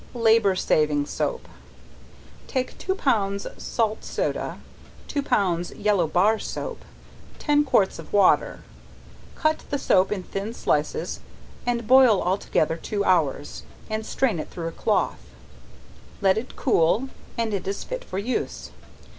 Labor saving Soap. Take two pounds salt soda, two pounds yellow bar soap, ten quarts of water. Cut the soap in thin slices, and boil all together two hours, and strain it through a cloth, let it cool and it is fit for use.